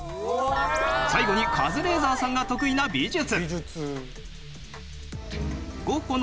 最後にカズレーザーさんが得意な美術。